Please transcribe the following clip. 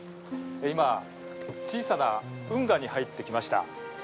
今、小さな運河に入ってきました。